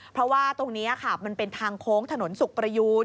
เพราะว่าตรงนี้ค่ะมันเป็นทางโค้งถนนสุขประยูน